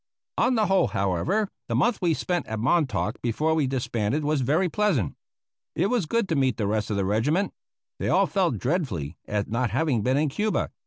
On the whole, however, the month we spent at Montauk before we disbanded was very pleasant. It was good to meet the rest of the regiment. They all felt dreadfully at not having been in Cuba.